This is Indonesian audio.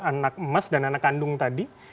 anak emas dan anak kandung tadi